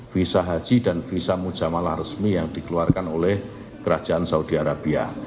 visa haji dan visa mujamalah resmi yang dikeluarkan oleh kerajaan saudi arabia